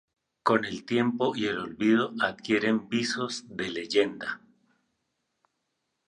Con el tiempo y el olvido adquieren visos de leyenda.